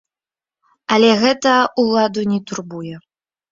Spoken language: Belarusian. Але гэта ўладу не турбуе.